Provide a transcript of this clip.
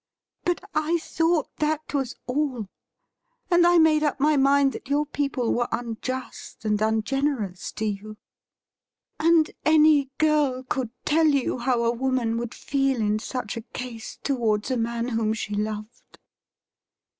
But I thought that was ail, and I made up my mind that your people were unjust and ungenerous to you — and any girl could tell you how a woman would feel in such a case towards a man whom she loved.'